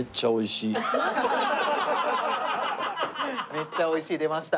「めっちゃ美味しい」出ました。